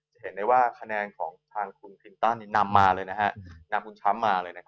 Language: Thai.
จะเห็นได้ว่าคะแนนของทางคุณพิมต้านนำมาเลย